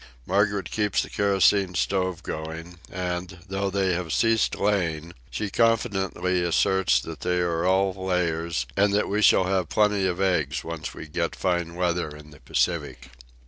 Margaret keeps the kerosene stove going, and, though they have ceased laying, she confidently asserts that they are all layers and that we shall have plenty of eggs once we get fine weather in the Pacific.